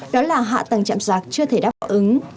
đó là hạ tầng chạm giạc chưa thể đáp ứng